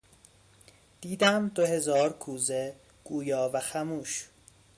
...دیدم دو هزار کوزه گویا و خموش